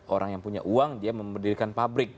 orang yang punya uang dia memberdirikan pabrik